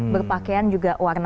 berpakaian juga warna